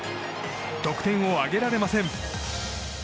得点を挙げられません。